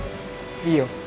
いいよ。